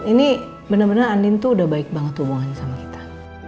ini bener bener andien tuh udah baik banget hubungannya sama kita